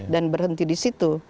dan berhenti di situ